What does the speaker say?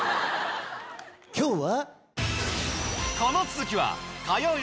今日は。